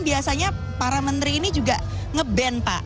biasanya para menteri ini juga nge ban pak